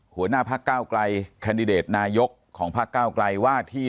หัวหน้าภาคเก้าไกลคันดีเด็ทนายกของภาคเก้าไกลว่าที่